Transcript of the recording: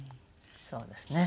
そうですね。